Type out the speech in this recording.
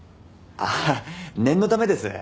ああ念のためです。